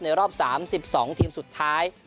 รอบ๓๒ทีมสุดท้าย